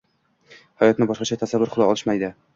hayotni” boshqacha tasavvur qila olishmaydi.